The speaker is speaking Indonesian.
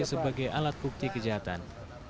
sebagai alat bukti kejahatan